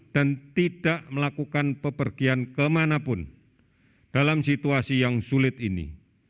dan tidak melakukan pepergian kemanapun dalam situasi yang sulit ini